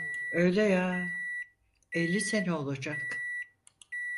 Öyle ya… elli sene olacak.